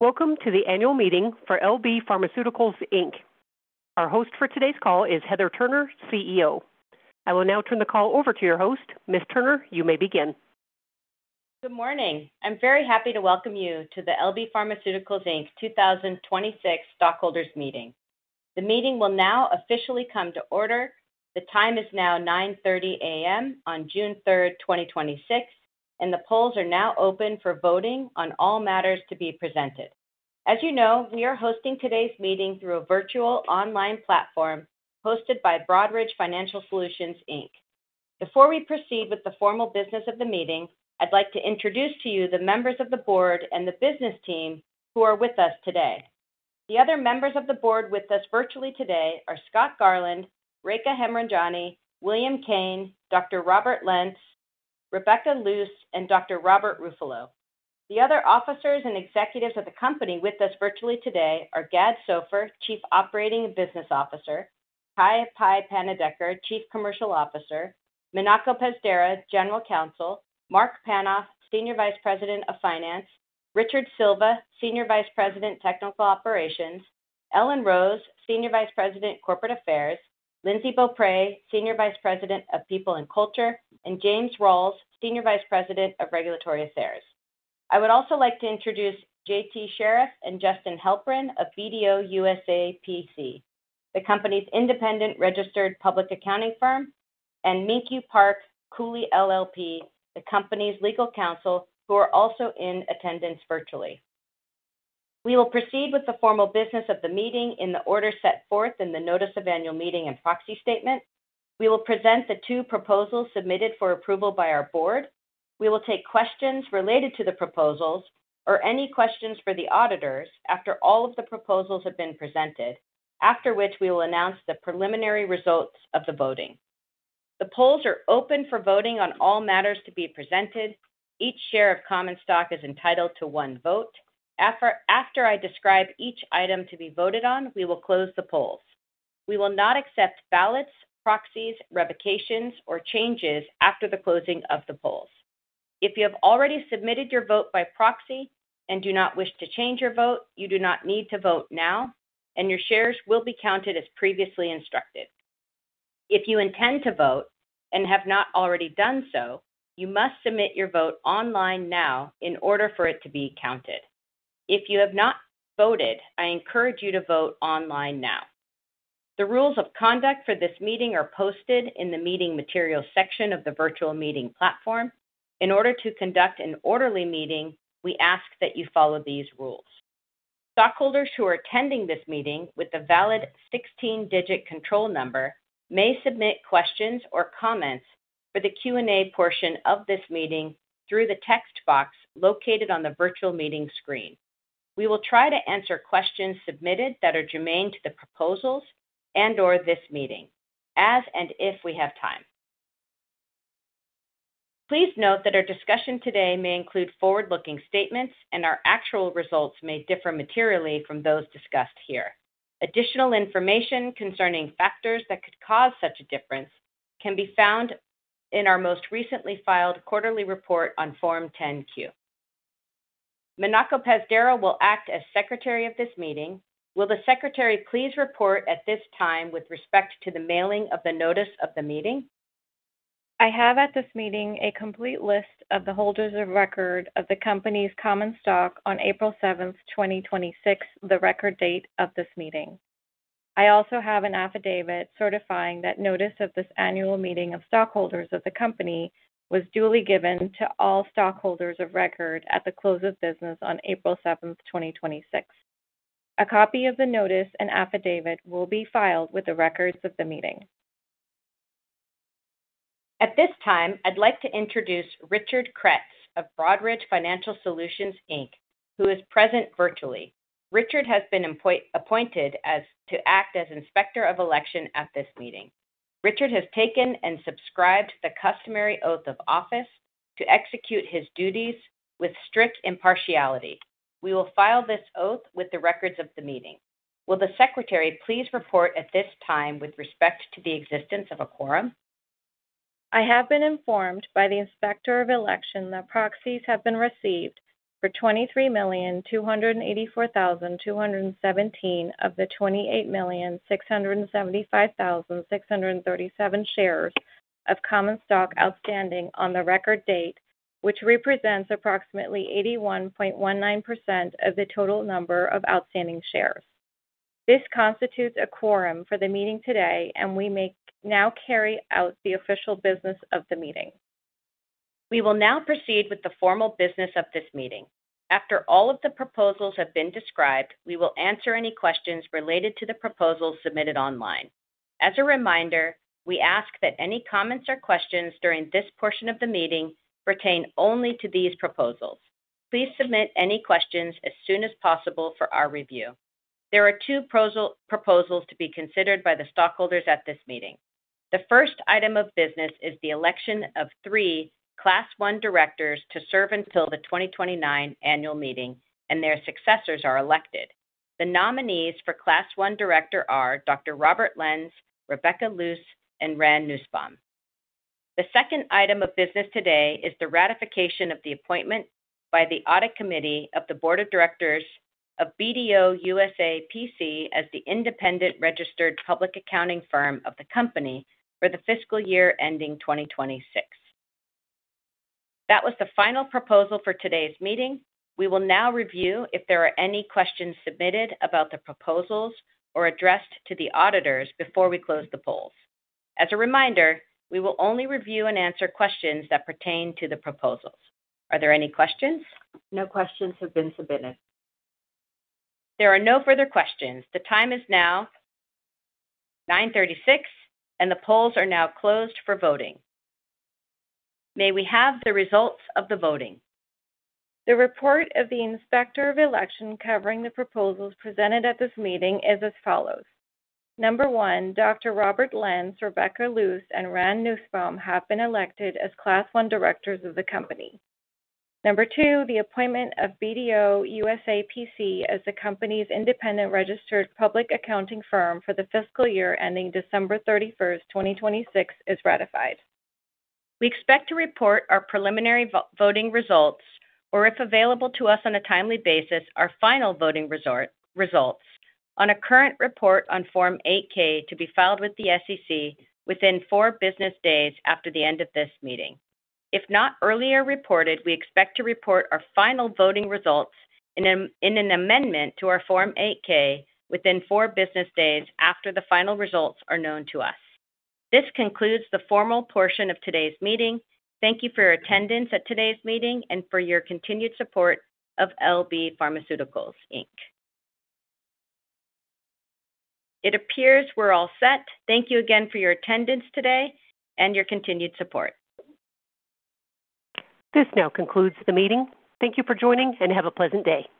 Welcome to the annual meeting for LB Pharmaceuticals Inc. Our host for today's call is Heather Turner, CEO. I will now turn the call over to your host. Ms. Turner, you may begin. Good morning. I'm very happy to welcome you to the LB Pharmaceuticals Inc's 2026 Stockholders Meeting. The meeting will now officially come to order. The time is now 9:30 A.M. on June 3rd, 2026, and the polls are now open for voting on all matters to be presented. As you know, we are hosting today's meeting through a virtual online platform hosted by Broadridge Financial Solutions Inc. Before we proceed with the formal business of the meeting, I'd like to introduce to you the members of the board and the business team who are with us today. The other members of the board with us virtually today are Scott Garland, Rekha Hemrajani, Will Kane, Dr. Robert Lenz, Rebecca Luse, and Dr. Robert Ruffolo. The other officers and executives of the company with us virtually today are Gad Soffer, Chief Operating Business Officer, Kaya Pai Panandiker, Chief Commercial Officer, Minako Pazdera, General Counsel, Marc Panoff, Senior Vice President of Finance, Richard Silva, Senior Vice President, Technical Operations, Ellen Rose, Senior Vice President, Corporate Affairs, Lindsay Beaupre, Senior Vice President of People and Culture, and James Rawls, Senior Vice President of Regulatory Affairs. I would also like to introduce JT Scheriff and [Justin Halperin] of BDO USA, P.C., the company's independent registered public accounting firm, and Minkyu Park, Cooley LLP, the company's legal counsel, who are also in attendance virtually. We will proceed with the formal business of the meeting in the order set forth in the notice of annual meeting and proxy statement. We will present the two proposals submitted for approval by our board. We will take questions related to the proposals or any questions for the auditors after all of the proposals have been presented, after which we will announce the preliminary results of the voting. The polls are open for voting on all matters to be presented. Each share of common stock is entitled to one vote. After I describe each item to be voted on, we will close the polls. We will not accept ballots, proxies, revocations, or changes after the closing of the polls. If you have already submitted your vote by proxy and do not wish to change your vote, you do not need to vote now, and your shares will be counted as previously instructed. If you intend to vote and have not already done so, you must submit your vote online now in order for it to be counted. If you have not voted, I encourage you to vote online now. The rules of conduct for this meeting are posted in the Meeting Materials section of the virtual meeting platform. In order to conduct an orderly meeting, we ask that you follow these rules. Stockholders who are attending this meeting with a valid 16-digit control number may submit questions or comments for the Q&A portion of this meeting through the text box located on the virtual meeting screen. We will try to answer questions submitted that are germane to the proposals and or this meeting, as and if we have time. Please note that our discussion today may include forward-looking statements and our actual results may differ materially from those discussed here. Additional information concerning factors that could cause such a difference can be found in our most recently filed quarterly report on Form 10-Q. Minako Pazdera will act as secretary of this meeting. Will the secretary please report at this time with respect to the mailing of the notice of the meeting? I have at this meeting a complete list of the holders of record of the company's common stock on April 7th, 2026, the record date of this meeting. I also have an affidavit certifying that notice of this annual meeting of stockholders of the company was duly given to all stockholders of record at the close of business on April 7th, 2026. A copy of the notice and affidavit will be filed with the records of the meeting. At this time, I'd like to introduce Richard Kretz of Broadridge Financial Solutions, Inc., who is present virtually. Richard has been appointed to act as Inspector of Election at this meeting. Richard has taken and subscribed the customary oath of office to execute his duties with strict impartiality. We will file this oath with the records of the meeting. Will the secretary please report at this time with respect to the existence of a quorum? I have been informed by the Inspector of Election that proxies have been received for 23,284,217 of the 28,675,637 shares of common stock outstanding on the record date, which represents approximately 81.19% of the total number of outstanding shares. This constitutes a quorum for the meeting today, and we may now carry out the official business of the meeting. We will now proceed with the formal business of this meeting. After all of the proposals have been described, we will answer any questions related to the proposals submitted online. As a reminder, we ask that any comments or questions during this portion of the meeting pertain only to these proposals. Please submit any questions as soon as possible for our review. There are two proposals to be considered by the stockholders at this meeting. The first item of business is the election of three Class I directors to serve until the 2029 annual meeting and their successors are elected. The nominees for Class I director are Dr. Robert Lenz, Rebecca Luse, and Ran Nussbaum. The second item of business today is the ratification of the appointment by the Audit Committee of the Board of Directors of BDO USA P.C., as the independent registered public accounting firm of the company for the fiscal year ending 2026. That was the final proposal for today's meeting. We will now review if there are any questions submitted about the proposals or addressed to the auditors before we close the polls. As a reminder, we will only review and answer questions that pertain to the proposals. Are there any questions? No questions have been submitted. There are no further questions. The time is now 9:36 A.M., and the polls are now closed for voting. May we have the results of the voting? The report of the Inspector of Election covering the proposals presented at this meeting is as follows. Number one, Dr. Robert Lenz, Rebecca Luse, and Ran Nussbaum have been elected as Class I directors of the company. Number two, the appointment of BDO USA, P.C. as the company's independent registered public accounting firm for the fiscal year ending December 31st, 2026 is ratified. We expect to report our preliminary voting results, or if available to us on a timely basis, our final voting results on a current report on Form 8-K to be filed with the SEC within four business days after the end of this meeting. If not earlier reported, we expect to report our final voting results in an amendment to our Form 8-K within four business days after the final results are known to us. This concludes the formal portion of today's meeting. Thank you for your attendance at today's meeting and for your continued support of LB Pharmaceuticals Inc. It appears we're all set. Thank you again for your attendance today and your continued support. This now concludes the meeting. Thank you for joining and have a pleasant day.